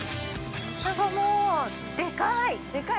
◆でかーい。